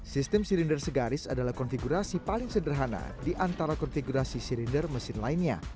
sistem silinder segaris adalah konfigurasi paling sederhana di antara konfigurasi silinder mesin lainnya